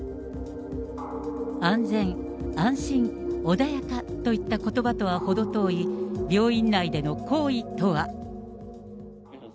安全、安心、穏やかといったことばとは程遠い、病院内での行為とは。